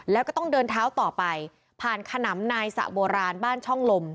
แล้วก็ต้องเดินเท้าต่อไปผ่านขนำนายสะโบราณบ้านช่องลม